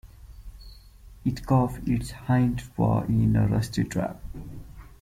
It caught its hind paw in a rusty trap.